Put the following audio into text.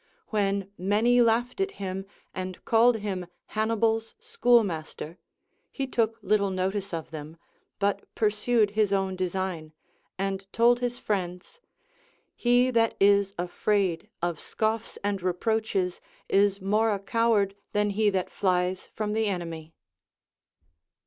AVhen many laughed at him and called him Hannibal's schoolmaster, he took little notice of them, but pursued his own design, and told his friends : He that is afraid of scoffs and reproaches is more a coward than he that flies from the enemy.